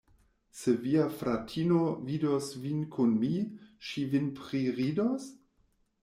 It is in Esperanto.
Se via fratino vidos vin kun mi, ŝi vin priridos?